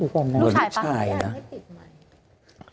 ลูกชายป่ะลูกชายป่ะใช่อยู่กว่านั้น